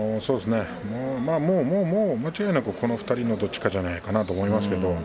もうもう間違いなくこの２人のどちらかでないかなと思います。